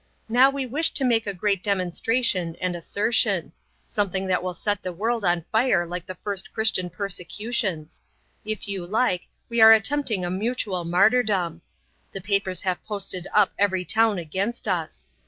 Now we wish to make a great demonstration and assertion something that will set the world on fire like the first Christian persecutions. If you like, we are attempting a mutual martyrdom. The papers have posted up every town against us.